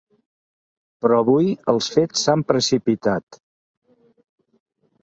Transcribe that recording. Però avui els fets s’han precipitat.